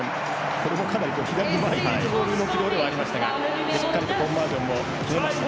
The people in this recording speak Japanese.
これもかなり左に巻いているボールの軌道でしたがしっかりとコンバージョンも決めました。